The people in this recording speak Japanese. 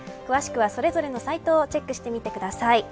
詳しくは、それぞれのサイトをチェックしてみてください。